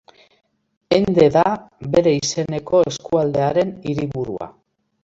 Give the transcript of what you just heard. Ende da bere izeneko eskualdearen hiriburua.